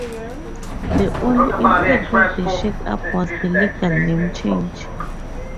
The only impact of the shake-up was the legal name change.